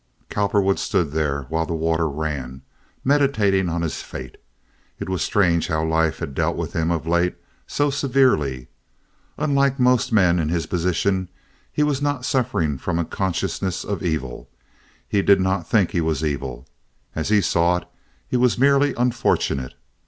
Cowperwood stood there while the water ran, meditating on his fate. It was strange how life had dealt with him of late—so severely. Unlike most men in his position, he was not suffering from a consciousness of evil. He did not think he was evil. As he saw it, he was merely unfortunate.